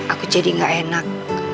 aku jadi nggak enak